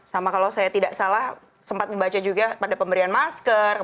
sama kalau saya tidak salah sempat membaca juga pada pemberian masker